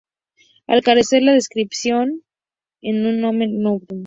Al carecer de descripción, es un "nomen nudum".